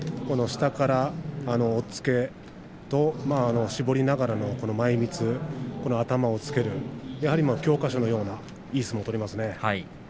下から押っつけと絞りながらの前みつ、頭をつけるやはり教科書のようないい相撲を取りますね。